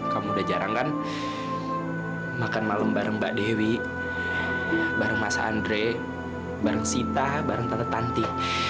kamu udah jarang kan makan malam bareng mbak dewi bareng mas andre bareng sita bareng tante